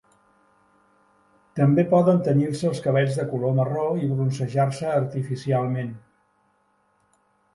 També poden tenyir-se els cabells de color marró i bronzejar-se artificialment.